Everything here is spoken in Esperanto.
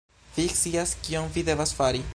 Vi scias kion vi devas fari